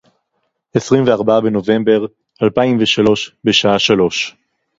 עשרים וארבעה בנובמבר אלפיים ושלוש בשעה שלוש